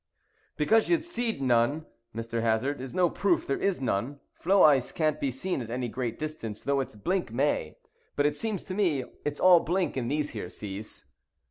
"Because you see'd none, Mr. Hazard, is no proof there is none. Floe ice can't be seen at any great distance, though its blink may. But, it seems to me, it's all blink in these here seas!"